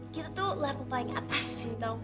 kita tuh level paling atas sih tau